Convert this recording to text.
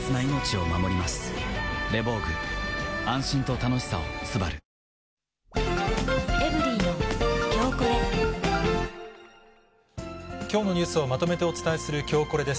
皆さん、きょうのニュースをまとめてお伝えする、きょうコレです。